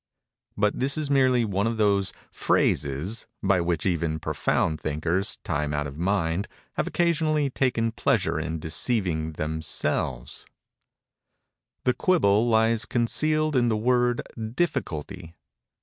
But this is merely one of those phrases by which even profound thinkers, time out of mind, have occasionally taken pleasure in deceiving themselves. The quibble lies concealed in the word "difficulty."